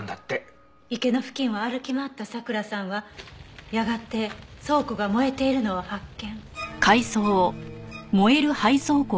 池の付近を歩き回ったさくらさんはやがて倉庫が燃えているのを発見。